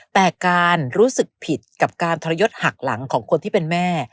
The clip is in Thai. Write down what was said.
แต่การรู้สึกผิดกับการทรยศหักหลังของคนที่เป็นแม่